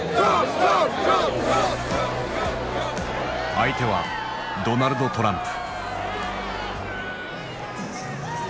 相手はドナルド・トランプ。